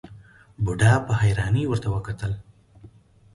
بوډا په حيرانۍ ورته وکتل.